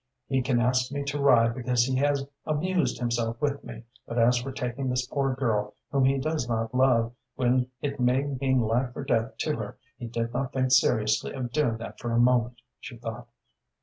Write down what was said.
"He can ask me to ride because he has amused himself with me, but as for taking this poor girl, whom he does not love, when it may mean life or death to her, he did not think seriously of doing that for a moment," she thought.